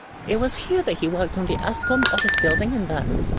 It was here that he worked on the Ascom office building in Bern.